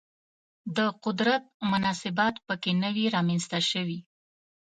د قدرت مناسبات په کې نه وي رامنځته شوي